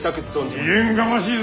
未練がましいぞ。